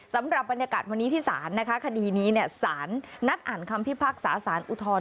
สำหรับบรรยากาศวันนี้ที่ศาลนะคะคดีนี้สารนัดอ่านคำพิพากษาสารอุทธรณ์